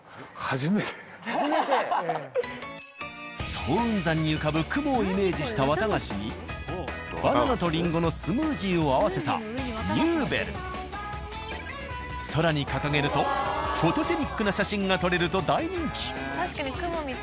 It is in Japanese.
早雲山に浮かぶ雲をイメージしたわたがしにバナナとリンゴのスムージーを合わせた空に掲げるとフォトジェニックな写真が撮れると大人気。